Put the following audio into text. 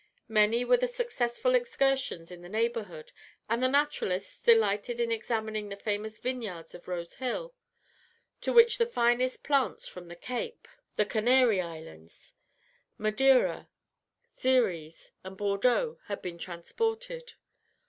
Many were the successful excursions in the neighbourhood, and the naturalists delighted in examining the famous vineyards of Rose Hill, to which the finest plants from the Cape, the Canary Islands, Madeira, Xeres, and Bordeaux had been transported.